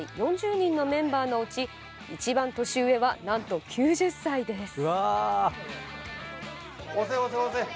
４０人のメンバーのうち一番年上は、なんと９０歳です。